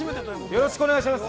◆よろしくお願いします。